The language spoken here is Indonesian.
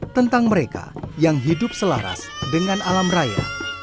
tentang mereka yang hidup selaras dengan alam raya